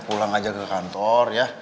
pulang aja ke kantor ya